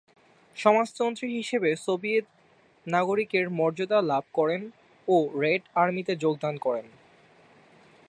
সমাজতন্ত্রী হিসেবে সোভিয়েত নাগরিকের মর্যাদা লাভ করেন ও রেড আর্মিতে যোগদান করেন।